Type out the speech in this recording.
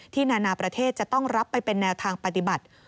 นานาประเทศจะต้องรับไปเป็นแนวทางปฏิบัติ